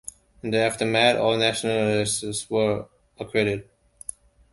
In the aftermath, all Nationalists were acquitted.